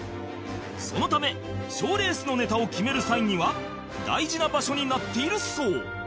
そのため賞レースのネタを決める際には大事な場所になっているそう